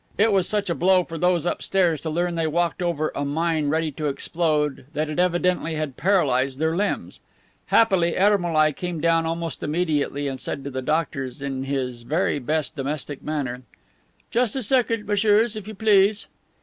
It was such a blow for those upstairs to learn they walked over a mine ready to explode that it evidently had paralyzed their limbs. Happily Ermolai came down almost immediately and said to the "doctors" in his very best domestic manner: "Just a second, messieurs, if you please."